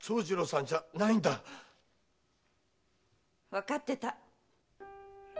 わかってた。